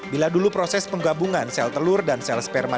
bila dulu proses penggabungan sel telur dan sel sperma